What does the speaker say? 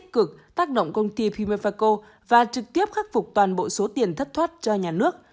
các bị cáo đã tích cực tác động công ty pimifaco và trực tiếp khắc phục toàn bộ số tiền thất thoát cho nhà nước